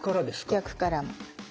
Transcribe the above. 逆からも。